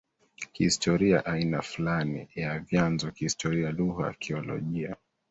kihistoria aina fulani ya vyanzo kihistoria lugha akiolojia